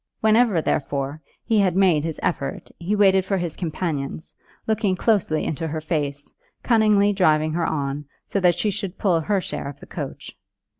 Whenever therefore he had made his effort he waited for his companion's, looking closely into her face, cunningly driving her on, so that she also should pull her share of the coach.